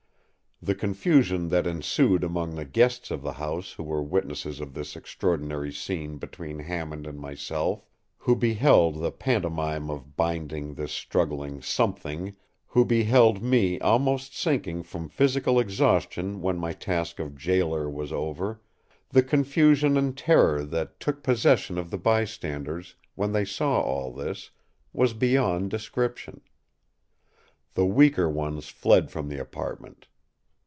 The confusion that ensued among the guests of the house who were witnesses of this extraordinary scene between Hammond and myself—who beheld the pantomime of binding this struggling Something—who beheld me almost sinking from physical exhaustion when my task of jailer was over—the confusion and terror that took possession of the bystanders, when they saw all this, was beyond description. The weaker ones fled from the apartment.